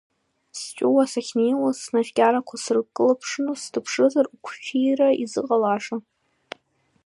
Сҵәуа сахьнеиуаз, снацәкьарақәа сыркылԥшны снаԥшызар уқәшәира изыҟалаша!